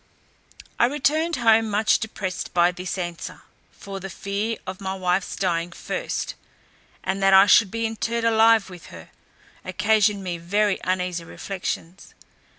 I returned home much depressed by this answer; for the fear of my wife's dying first, and that I should be interred alive with her, occasioned me very uneasy reflections.